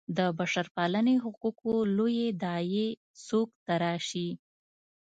د بشرپالنې حقوقو لویې داعیې څوک تراشي.